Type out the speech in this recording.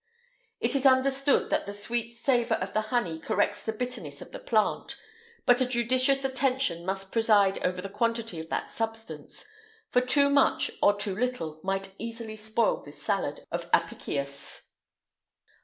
[IX 141] It is understood that the sweet savour of the honey corrects the bitterness of the plant; but a judicious attention must preside over the quantity of that substance, for too much or too little might easily spoil this salad of Apicius.